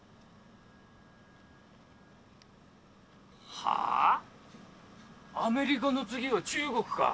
はぁアメリカの次は中国か。